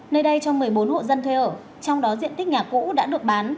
nơi đây trong một mươi bốn hộ dân thuê ở trong đó diện tích nhà cũ đã được bán